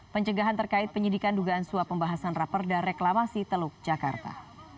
pencegahan terkait penyidikan dugaan suap pembahasan raperda reklamasi teluk jakarta